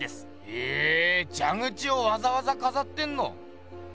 へぇじゃ口をわざわざかざってんの。